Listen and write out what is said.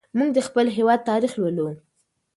موږ د خپل هېواد تاریخ لولو.